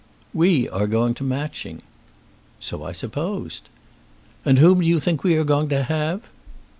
"We are going to Matching." "So I supposed." "And whom do you think we are going to have?"